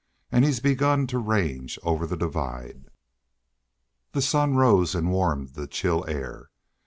And he's begun to range over the divide." The sun rose and warmed the chill air.